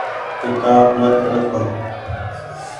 ڪيتآب مت رکو۔